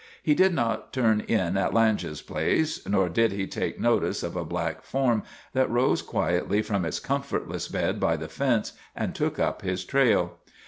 He did not turn in at Lange's place, nor did he take notice of a black form that rose quietly from its comfortless bed by the fence and took up his trail.